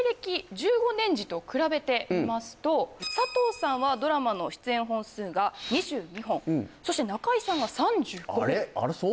１５年時と比べてみますと佐藤さんはドラマの出演本数が２２本そして中居さんが３５あれっそう？